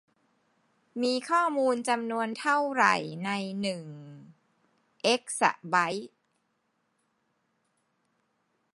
มีข้อมูลจำนวนเท่าไรในหนึ่งเอกซะไบท์